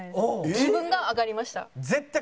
気分が上がりました。